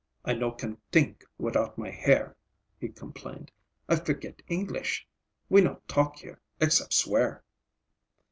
"I no can t'ink without my hair," he complained. "I forget English. We not talk here, except swear."